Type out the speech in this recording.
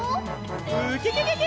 ウキキキ！